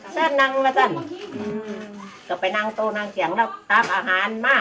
เจ้านางมาซะกลับไปนางโตนางแก่งแล้วตักอาหารมา